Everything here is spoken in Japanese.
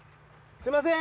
すみません